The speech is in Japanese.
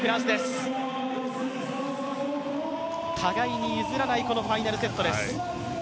互いに譲らないこのファイナルセットです。